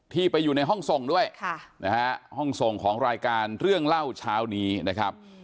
ไปอยู่ในห้องส่งด้วยห้องส่งของรายการเรื่องเล่าเช้านี้นะครับ